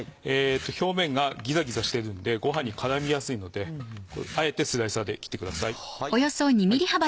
表面がギザギザしているのでごはんに絡みやすいのであえてスライサーで切ってください。